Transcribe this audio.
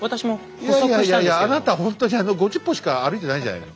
いやいやいやいやあなたほんとに５０歩しか歩いてないじゃないの。